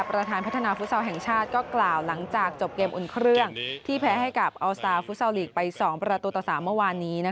ประธานพัฒนาฟุตซอลแห่งชาติก็กล่าวหลังจากจบเกมอุ่นเครื่องที่แพ้ให้กับอัลซาฟุตซอลลีกไป๒ประตูต่อ๓เมื่อวานนี้